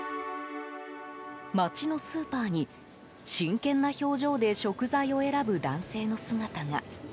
町のスーパーに、真剣な表情で食材を選ぶ男性の姿が。